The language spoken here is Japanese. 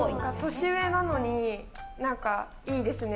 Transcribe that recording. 年上なのに、なんかいいですね。